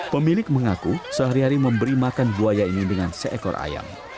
pemilik mengaku sehari hari memberi makan buaya ini dengan seekor ayam